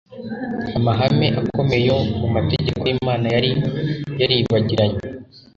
Amahame akomeye yo mu mategeko y'Imana yari yaribagiranye,